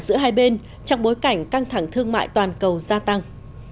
giữa hai bên trong bối cảnh căng thẳng thương mại toàn cầu gia tăng